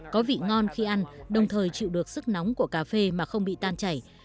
có vị ngon khi ăn đồng thời chịu được sức nóng của cà phê mà không bị tan chảy